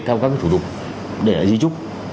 theo các thủ đục để lại di trúc